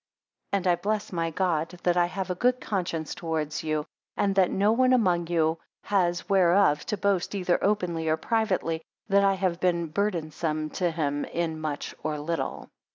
9 And I bless my God that I have a good conscience towards you, and that no one among you has whereof to boast either openly or privately, that I have been burthensome to him in much or little.